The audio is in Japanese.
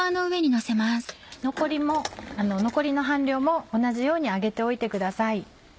残りの半量も同じように揚げておいてください。